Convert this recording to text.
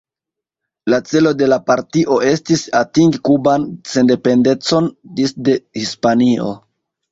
La celo de la partio estis atingi kuban sendependecon disde Hispanio.